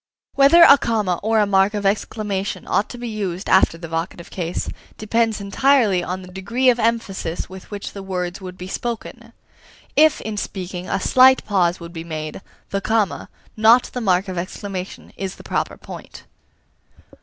Whether a comma or a mark of exclamation ought to be used after the vocative case, depends entirely on the degree of emphasis with which the words would be spoken. If, in speaking, a slight pause would be made, the comma, not the mark of exclamation, is the proper point.